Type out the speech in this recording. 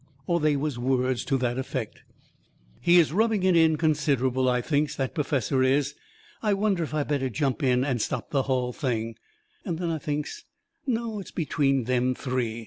Or they was words to that effect. He is rubbing it in considerable, I thinks, that perfessor is. I wonder if I better jump in and stop the hull thing. Then I thinks: "No, it's between them three."